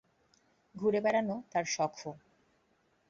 ঘুরে বেড়ানো তাঁর শখও।